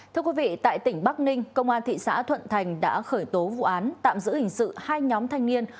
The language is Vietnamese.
thưa quý vị tại tỉnh bắc ninh công an thị xã thuận thành đã khởi tố vụ án tạm giữ hình sự hai nhóm thanh niên